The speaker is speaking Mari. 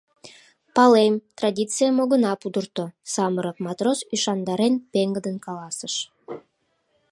— Палем, традицийым огына пудырто, — самырык матрос, ӱшандарен, пеҥгыдын каласыш.